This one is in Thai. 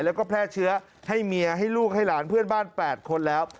แล้วก็แพร่เชื้อให้เมียให้ลูกให้หลานเพื่อนบ้าน๘คนแล้ว